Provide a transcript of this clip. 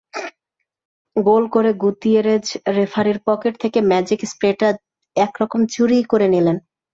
গোল করে গুতিয়েরেজ রেফারির পকেট থেকে ম্যাজিক স্প্রেটা একরকম চুরিই করে নিলেন।